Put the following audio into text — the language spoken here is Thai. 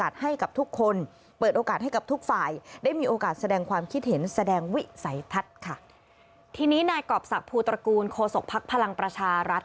ใส่ทัศน์ค่ะทีนี้นายกรอบศัพท์ภูตระกูลโคศกภักดิ์พลังประชารัฐ